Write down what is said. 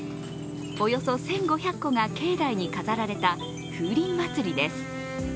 およそ１５００個が境内に飾られた風鈴祭りです。